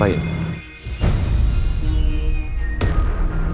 jurus dijangkiti dengan senang